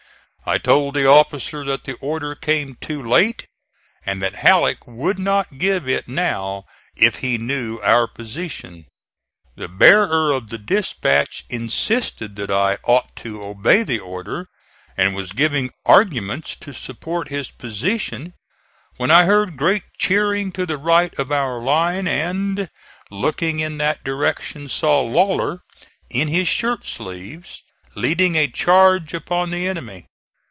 I told the officer that the order came too late, and that Halleck would not give it now if he knew our position. The bearer of the dispatch insisted that I ought to obey the order, and was giving arguments to support his position when I heard great cheering to the right of our line and, looking in that direction, saw Lawler in his shirt sleeves leading a charge upon the enemy.